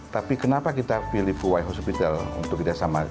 tapi kenapa kita pilih fuwai hospital untuk kerjasama